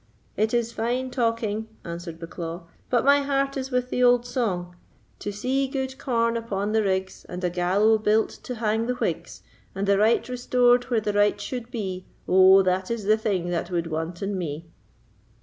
"It is fine talking," answered Bucklaw; "but my heart is with the old song— To see good corn upon the rigs, And a gallow built to hang the Whigs, And the right restored where the right should be. Oh, that is the thing that would wanton me."